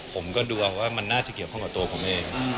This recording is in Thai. ผมก็ดูเอาว่ามันน่าจะเกี่ยวข้องกับตัวผมเอง